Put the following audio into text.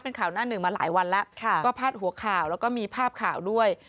เป็นข่าวหน้าหนึ่งมาหลายวันแล้วก็พาดหัวข่าวแล้วก็มีภาพข่าวด้วย